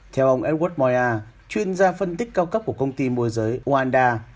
theo ông edward moyer chuyên gia phân tích cao cấp của công ty môi giới oanda